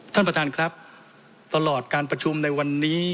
ท่านประธานครับตลอดการประชุมในวันนี้